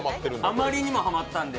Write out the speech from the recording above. あまりにもハマったので。